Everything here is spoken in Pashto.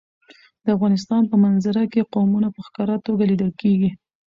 د افغانستان په منظره کې قومونه په ښکاره توګه لیدل کېږي.